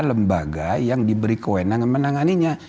lembaga yang diberi kewenangan menanganinya